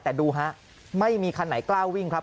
แต่ดูฮะไม่มีคันไหนกล้าวิ่งครับ